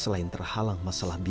selain terhalang masalah mimpi